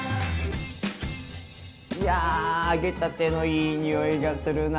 いや揚げたてのいい匂いがするな。